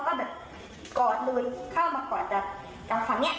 โยนปุ๊บเขาก็แบบกอดเลยเข้ามากอดจากฝั่งนี้